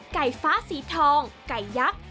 ไก่ฟ้าสีทองไก่ยักษ์